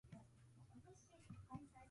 An additional partner is Natural Britain.